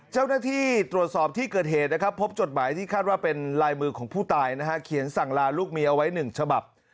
เจ้าหน้าที่ตรวจสอบที่เกิดเหตุนะครับพบจดหมายที่คาดว่าเป็นลายมือของผู้ตายนะฮะเขียนสั่งลาลูกเมียเอาไว้๑ฉบับ